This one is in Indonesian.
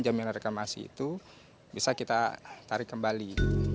jaminan reklamasi itu bisa kita tarik kembali